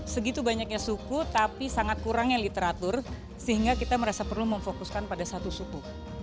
segitu banyaknya suku tapi sangat kurangnya literatur sehingga kita merasa perlu memfokuskan pada satu suku